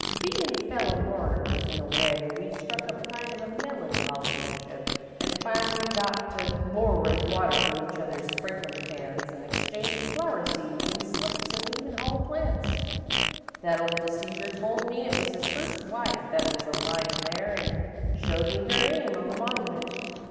"Bein' fellow mourners, in a way, we struck up kind of a melancholy friendship, an' finally got to borrerin' water from each other's sprinklin' cans an' exchangin' flower seeds an' slips, an' even hull plants. That old deceiver told me it was his first wife that was a lyin' there, an' showed me her name on the monumint.